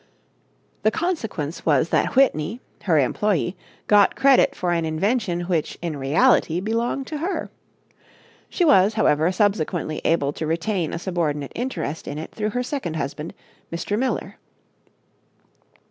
The consequence was that Whitney her employee got credit for an invention which, in reality, belonged to her. She was, however, subsequently able to retain a subordinate interest in it through her second husband, Mr. Miller.